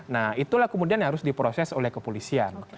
nah itulah kemudian yang harus diproses oleh kepolisian